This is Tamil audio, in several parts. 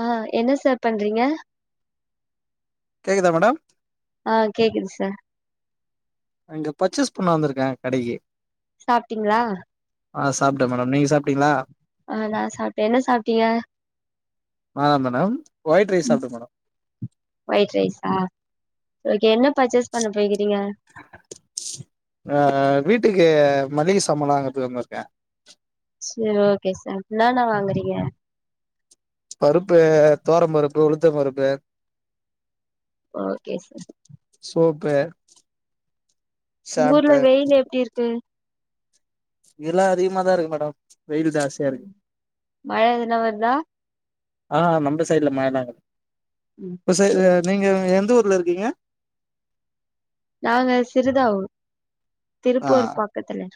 ஆ என்ன சார் பண்றங்க கேக்குதா மேடம் ஆ கேக்குது சார் நா இங்க பர்ச்சேஸ் பண்ண வந்திருக்க கடைக்யே சாப்ட்டீங்களா சாப்ட்டே மேடம் நீங்க சாப்ட்டீங்களா ஆ நா சாப்ட்டே என்ன சாப்ட்டீய [unintelligible] ஒயிட் ரைஸ் சாப்ட மேடம் ஒயிட் ரைஸா ஓகே என்ன பர்ச்சேஸ் பண்ண போயிக்கிறீங்க ஆ வீட்டுக்கு மளிக சம்மளாலாவாங்கறதுக்கு வந்துருக்க சேரி ஓகே சார் என்னானா வாங்கறீங்க பருப்பு தோர பருப்பு உளுத்த பருப்பே ஓகே சார் சோபே உங்க ஊர்ல வெயில் எப்டி இருக்கு இல்லா அதிக மாதா இரு மேடம் வெயிலு ஜா உம் மழ எதுனா வர்தா ஆ நம்ப சைடுல மழலாங் கெட இப்போ சைடுல சரி நீங்க எந்த ஊர் இருக்கீங்க நாங்க சிறுதாவூர் ஆ திருப்பூர் பக்கத்ல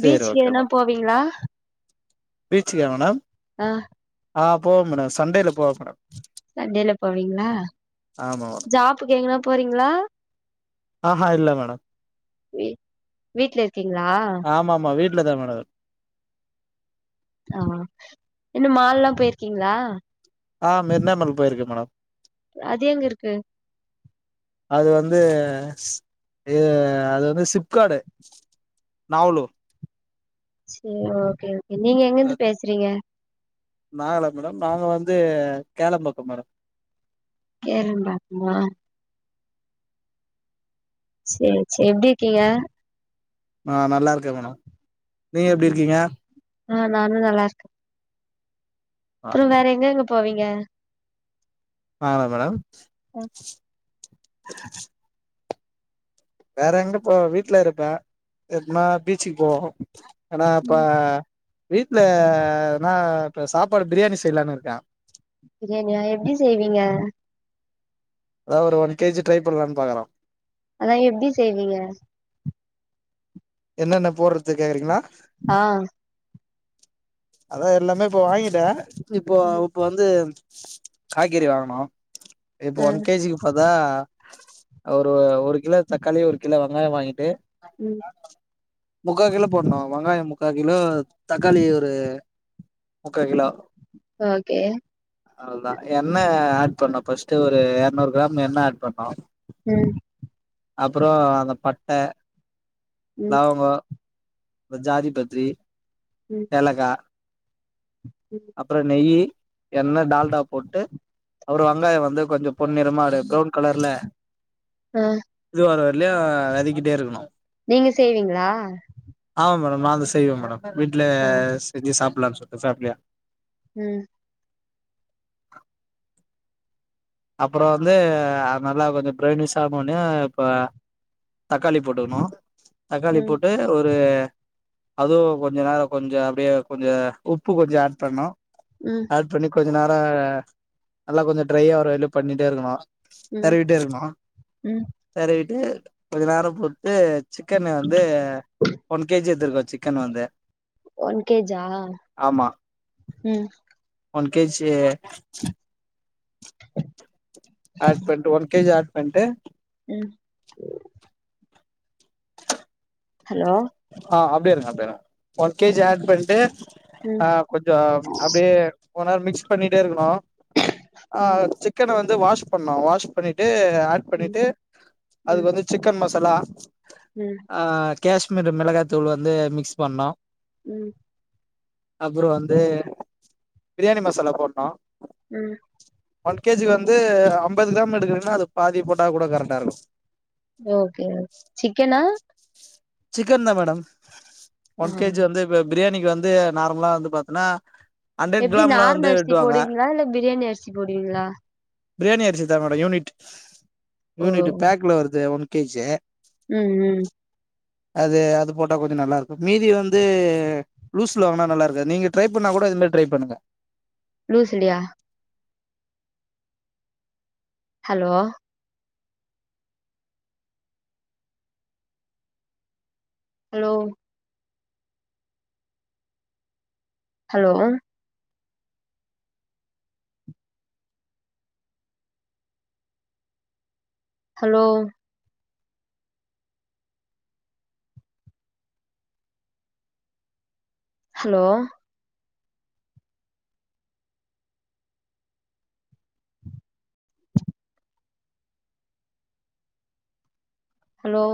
சேரி ஓகே பீச்யோனோ போவீங்ளா பீச்சிக்கா மேடம் ஆ ஆ போ மேடோ சண்டேல போ மேடம் சண்டேல போவங்ளா ஆமா மேடம் ஜாப்புக்கு எங்கனா போறங்ளா ஆஹா இல்ல மேடம் வீட்ல இருக்கீங்களா ஆமா ஆமா வீட்ல தா மேடம் ஆ என்ன மால்லா பேயிருக்கீங்ளா ஆ மெர்னாமல் போயிருக்க மேடம் அது எங்க இருக்கு அது வந்து து அது வந்து சிப்கார்டு நவலூ செரி ஓக்கே ஓக்கே நீங்க எங்கந்து பேசுறீங்க நாங்களா மேடம் நாங்க வந்து கேளம்பாக்கம் மேடம் கேளம்பாக்கமா செரி செரி எப்படி இருக்கீங்க ஆ நல்லா இருக்கே மேடம் நீங்க எப்படி இருக்கீங்க ஆ நானு நல்லா இருக் அப்புறோ வேற எங்க எங்க போவீங்க நானா மேடம் ஆ வேற எங்க போவே வீட்டுல இருப்பே எப்பனா பீச்சுக்கு போவோ ஆனா இப்ப வீட்டுலன்னா இப்ப சாப்பாடு பிரியாணி செய்யலானு இருக்கே பிரியாணியா எப்படி செய்வீங்க அதாவது ஒரு ஒன் கேஜி ட்ரை பண்ணலாம்னு பாக்குறோ அதா எப்பிடி செய்வீங்க என்னென்னா போடுறது கேக்குறீங்களா ஆ அதா எல்லாமே இப்ப வாங்கிட்டே இப்போ இப்ப வந்து காய்கறி வாங்கணு இப்போ ஆ ஒன் கேஜி அதா ஒரு ஒரு கிலோ தக்காளி ஒரு கிலோ வெங்காயோ வாங்கிட்டு உம் முக்கா கிலோ போடணு வெங்காயோ முக்கா கிலோ தக்காளி ஒரு முக்கா கிலோ ஓக்கே அவ்வளதா எண்ணெ ஆட் பண்ணு பர்ஸ்ட்டு ஒரு எரநூறு கிராம் எண்ணெ ஏட் பண்ணு உம் அப்புறோ அந்த பட்ட ம் லவங்கோ ஜாதி பத்திரி ம் ஏலக்கா ம் அப்புறோ நெய்யி எண்ண டால்டா போட்டு ஒரு வெங்காயோ வந்து கொஞ்சு பொன் நிறமா அப்டியே பிரவுன் கலர்ல ஆ இது வர வர்லையு வதக்கிட்டே இருக்கணு நீங்க செய்வீங்களா ஆமா மேடம் நா அத செய்வே மேடம் வீட்டுல ஆ செஞ்சி சாப்படலான்னு சொல்ட்டு ஃபேமிலியா ம் அப்புறோ வந்து நல்லா கொஞ்சு ஃபிரௌனிஸ் ஆகோனு இப்ப தக்காளி போட்டுக்கணு தக்காளி ம் போட்டு ஒரு அதுவு கொஞ்சு நேரோ கொஞ்சு அப்டியே கொஞ்சு உப்பு கொஞ்சு ஏட் பண்ணணு ம் ஏட் பண்ணி கொஞ்சு நேரோ நல்லா கொஞ்சு ட்ரையா இதுவரையிலு பண்ணிட்டே இருக்கணு ம் தெரவிட்டே இருக்கோ ம் தெரவிட்டு கொஞ்சு நோரோ போ இது சிக்கன் வந்து ஒன் கேஜி எத்துருக்கோ சிக்கன் வந்து ஒன் கேஜா ஆமா ம் ஒன் கேஜ்ஜி ஆட் பண்ட்டு ஒன் கேஜி ஆட் பண்ட்டு ம் ஹலோ ஆ அப்டியே இருங்க அப்டியே இருங்க ஒன் கேஜி ஆட் பண்ட்டு ம் ஆ கொஞ்சொ அப்டியே கொண்நேரொ மிக்ஸ் பண்ணிட்டே இருக்குணு ஆ ம் செக் சிக்கன வந்து வாஷ் பண்ணு வாஷ் பண்ணிட்டு ஆட் ம் பண்ணிட்டு ம் அதுக்கு வந்து சிக்கன் மசாலா ம் ஆ கேஷ்மீரு மிளகாய்த்தூள் வந்து மிக்ஸ் பண்ணோ ம் அப்புறம் வந்து பிரியாணி மசாலா போண்ணு ம் ஒன் கேஜிக்கி வந்து அம்பது கிராம் எடுக்குறீங்கன்னா அது பாதி போட்டா கூட கரெக்டா இருக்கூ ஓகே ஓகே சிக்கெனா சிக்கன் தா மேடம் ஆ ஒன் கேஜி வந்து இப்ப பிரியாணிக்கு வந்து நார்மலா வந்து பாத்தன்னா எப்டி நார்மல் அரிசி போடுவீங்ளா இல்ல பிரியாணி அரிசி போடுவீங்ளா பிரியாணி அரிசிதா மேடம் யூனிட் ஓ யூனிட் பேக்ல வருதே ஒன் கேஜி ம் ம் அது அது போட்டா கொஞ்ச நல்லா இருக்கூ மீதி வந்து லூஸ்ல வாங்குனா நல்லா இருக்காது நீங்க ட்ரை பண்ணா கூட இது மாரி ட்ரை பண்ணுங்க லூஸ்லியா hello hello hello hello hello hello